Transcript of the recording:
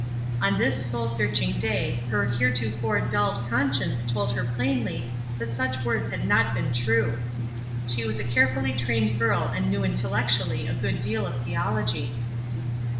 '* On this soul search ing day her heretofore dulled conscience told her plainly that such words had not been true. She was a carefully trained girl and knew intellectually a good deal of theology.